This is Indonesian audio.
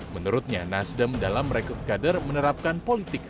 menurutnya nasdem dalam rekrut kader menerapkan politik